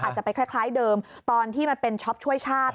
อาจจะไปคล้ายเดิมตอนที่มันเป็นช็อปช่วยชาติ